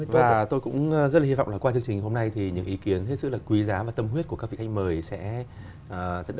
và tôi cũng rất là hi vọng là qua chương trình hôm nay thì những ý kiến rất là quý giá và tâm huyết của các vị khách mời sẽ